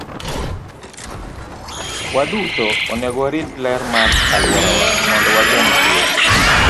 Waduto onego warit ler mar alworawa mondo wageng' tuoche.